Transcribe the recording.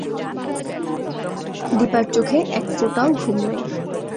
দিপার চোখে এক ফোটাও ঘুম নাই।